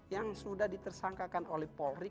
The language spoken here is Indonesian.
yang sudah ditersangkakan oleh polri